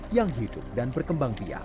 yang hidup dan berkembang biak